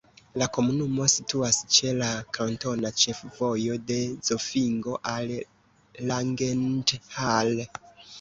La komunumo situas ĉe la kantona ĉefvojo de Zofingo al Langenthal.